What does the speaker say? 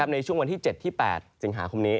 ในช่วงวันที่๗ที่๘สิงหาคมนี้